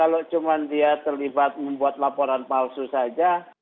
kalau cuma dia terlibat membuat laporan palsu saja